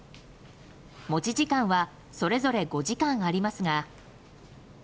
持ち時間はそれぞれ５時間ありますが。